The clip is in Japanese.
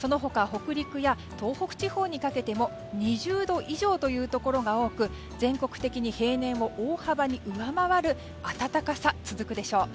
北陸や東北地方にかけても２０度以上というところが多く全国的に平年を大幅に上回る暖かさが続くでしょう。